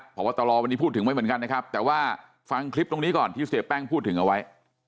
พบตรวันนี้พูดถึงไว้เหมือนกันนะครับแต่ว่าฟังคลิปตรงนี้ก่อนที่เสียแป้งพูดถึงเอาไว้